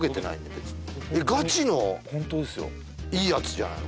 別にガチのホントですよいいやつじゃないの？